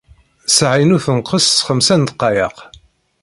Ssaεa-inu tenqes s xemsa n ddqayeq.